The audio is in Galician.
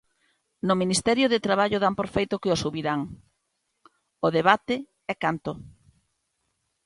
No Ministerio de Traballo dan por feito que o subirán, o debate é canto.